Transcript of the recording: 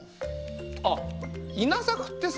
あっ稲作ってさ